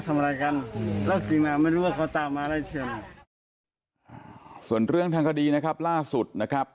ทำอะไรกันต้องเมาน่ามาดูหิวอก็ตามมาและอยากเชิญส่วนเรื่องฐานคดินะครับล่าสุดนะครับ